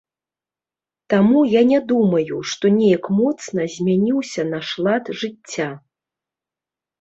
Таму я не думаю, што неяк моцна змяніўся наш лад жыцця.